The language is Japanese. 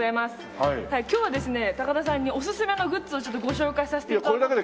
今日はですね高田さんにおすすめのグッズをご紹介させて頂こうと。